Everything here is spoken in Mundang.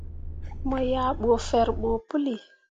Mo yah ɓu ferɓo puli.